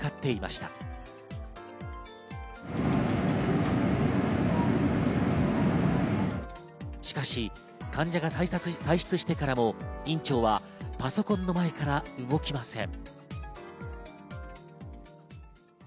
しかし患者が退出してからも院長はパソコンの前から動きません。